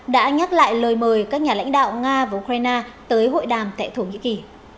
đã nhắc lại lời mời các nhà lãnh đạo nga và ukraine tới hội đàm tại thổ nhĩ kỳ